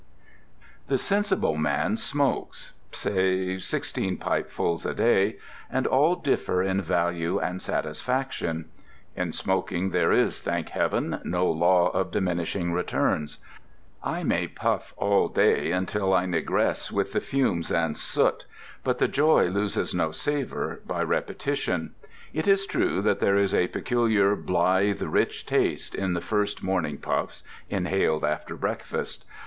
The sensible man smokes (say) sixteen pipefuls a day, and all differ in value and satisfaction. In smoking there is, thank heaven, no law of diminishing returns. I may puff all day long until I nigresce with the fumes and soot, but the joy loses no savour by repetition. It is true that there is a peculiar blithe rich taste in the first morning puffs, inhaled after breakfast.